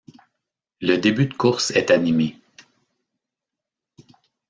Le début de course est animé.